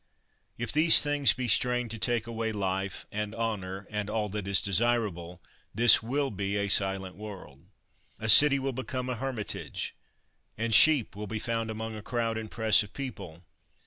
If these things be strained to take away life, and honor, and all that is desirable, this will be a silent world! A city will become a hermitage, and sheep will be found among a crowd and press of people!